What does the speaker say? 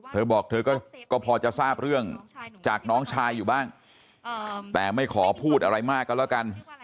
เธอบอกเธอก็พอจะทราบเรื่องจากน้องชายอยู่บ้างแต่ไม่ขอพูดอะไรมากก็แล้วกัน